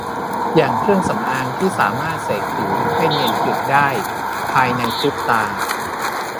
อย่างเครื่องสำอางที่สามารถเสกผิวให้เนียนกริบได้ภายในพริบตา